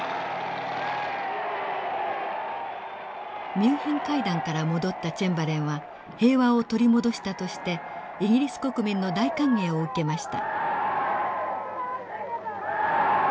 ミュンヘン会談から戻ったチェンバレンは平和を取り戻したとしてイギリス国民の大歓迎を受けました。